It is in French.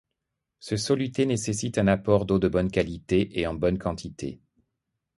Ce soluté nécessite un apport d'eau de bonne qualité et en bonne quantité.